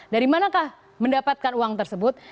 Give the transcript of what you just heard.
dari manakah mendapatkan uang tersebut